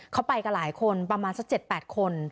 เขาไปกับหลายคนประมาณสัก๗๘คน